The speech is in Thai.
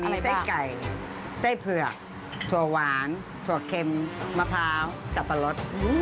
มีไส้ไก่ไส้เผือกถั่วหวานถั่วเค็มมะพร้าวสับปะรด